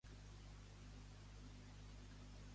Aquest any es farà la "Trial Indoor" de Barcelona?